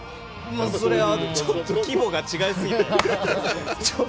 それはちょっと規模が違い過ぎて。